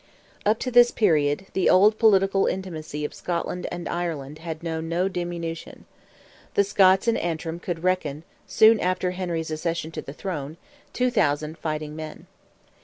Up to this period, the old political intimacy of Scotland and Ireland had known no diminution. The Scots in Antrim could reckon, soon after Henry's accession to the throne, 2,000 fighting men.